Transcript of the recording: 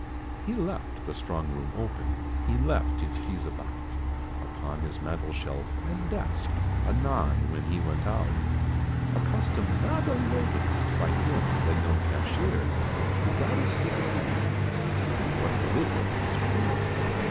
He left the strong room open; he left his keys about, Upon his mantle shelf, and desk, anon when he went out A custom not unnoticed by him, the young cashier, Who got a stick of wax, and what he did with it is clear.